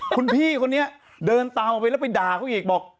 คุณพี่คนนี้เดินเตาไปแล้วไปด่าเขาอีกบอก